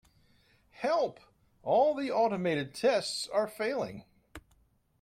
Help! All the automated tests are failing!